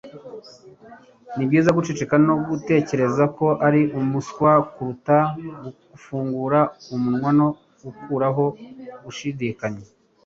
Nibyiza guceceka no gutekereza ko ari umuswa kuruta gufungura umunwa no gukuraho gushidikanya.